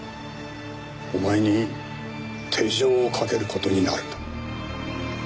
お前に手錠をかける事になるんだ。